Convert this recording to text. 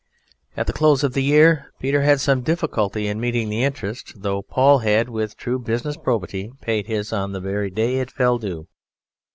At the close of the year Peter had some difficulty in meeting the interest, though Paul had, with true business probity, paid his on the very day it fell due.